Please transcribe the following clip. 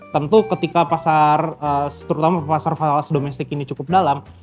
tentu ketika pasar terutama pasar pasar domestik ini cukup dalam